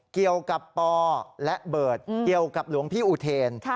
เกี่ยวกับปอและเบิร์ตเกี่ยวกับหลวงพี่อุเทน